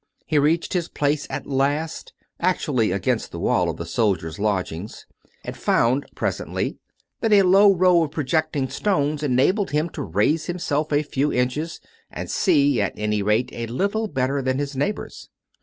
He reached his place at last, actually against the wall of the soldiers' lodgings, and found, presently, that a low row of projecting stones enabled him to raise himself a few inches, and see, at any rate, a little better than his neigh bours.